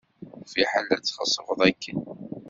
Fiḥel ad tɣeṣbeḍ akken.